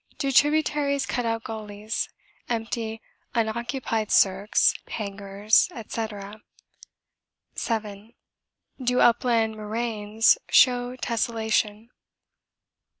Do tributaries cut out gullies empty unoccupied cirques, hangers, &c. 7. Do upland moraines show tesselation?